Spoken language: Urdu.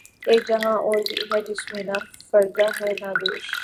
اک جہاں اور بھی ہے جس میں نہ فردا ہے نہ دوش